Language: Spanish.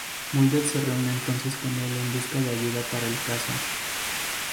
Mulder se reúne entonces con el en busca de ayuda para el caso.